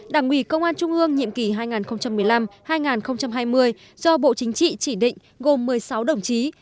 đảng ủy công an trung ương nhiệm kỳ hai nghìn một mươi năm hai nghìn hai mươi do bộ chính trị chỉ định gồm một mươi sáu đồng chí